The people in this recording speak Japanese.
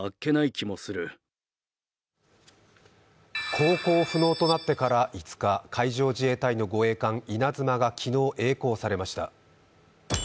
航行不能となってから５日、海上自衛隊の護衛艦「いなづま」が昨日、えい航されました。